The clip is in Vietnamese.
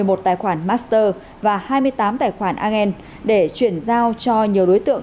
bảo đã sử dụng hai tài khoản master và hai mươi tám tài khoản angen để chuyển giao cho nhiều đối tượng